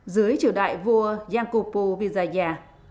dưới triều đại vua giang cô pô vizaya